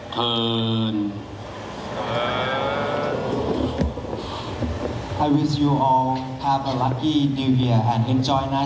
ถือว่าชีวิตที่ผ่านมายังมีความเสียหายแก่ตนและผู้อื่น